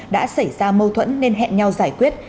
đã xảy ra mâu thuẫn nên hẹn nhau giải quyết